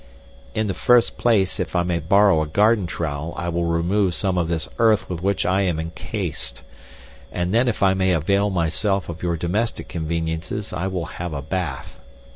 "In the first place if I may borrow a garden trowel I will remove some of this earth with which I am encased, and then if I may avail myself of your domestic conveniences I will have a bath.